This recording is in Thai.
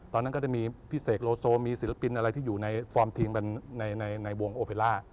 ตอนนั้นก็จะมีพี่เสกโลโซมีศิลปินอะไรที่อยู่ในฟอร์มทีมในวงโอเพล่า